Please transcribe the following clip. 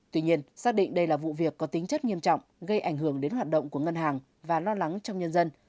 tuy nhiên xác định đây là vụ việc có tính chất nghiêm trọng gây ảnh hưởng đến hoạt động của ngân hàng và lo lắng trong nhân dân